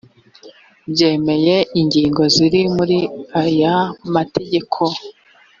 byemeye ingingo ziri muri aya mategeko